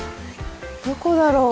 どこだろう。